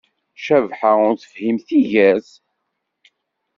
Cabḥa ur tefhim tigert